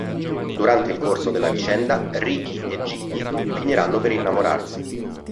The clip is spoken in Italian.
Durante il corso della vicenda, Ricky e Gigli finiranno per innamorarsi.